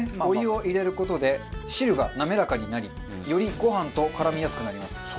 お湯を入れる事で汁が滑らかになりよりご飯と絡みやすくなります。